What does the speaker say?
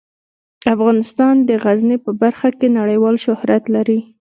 افغانستان د غزني په برخه کې نړیوال شهرت لري.